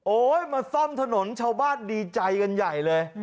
มาซ่อมถนนชาวบ้านดีใจกันใหญ่เลย